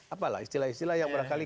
apalah istilah istilah yang barangkali